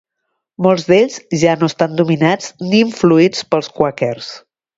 Molts d'ells ja no estan dominats ni influïts pels quàquers.